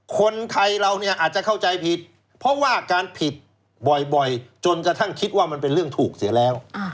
คนไทยเราเนี่ยอาจจะเข้าใจผิดเพราะว่าการผิดบ่อยจนกระทั่งคิดว่ามันเป็นเรื่องถูกเสียแล้ว